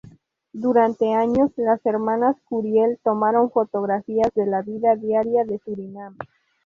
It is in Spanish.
Durante años, las hermanas Curiel tomaron fotografías de la vida diaria de Surinam.